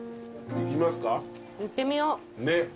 いってみよう。